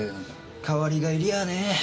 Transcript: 代わりがいりゃあねぇ。